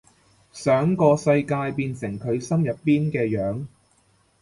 想個世界變成佢心入邊嘅樣